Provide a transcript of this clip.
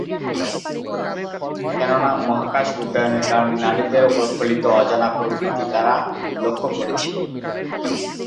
কেননা মহাকাশ উড্ডয়নের কারণে নারীদের ওপর ফলিত অজানা প্রকৃতি তারা লক্ষ করেছিল।